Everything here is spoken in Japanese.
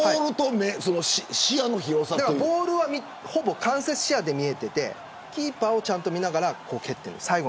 ボールは間接視野で見えていてキーパーを見ながら蹴っている。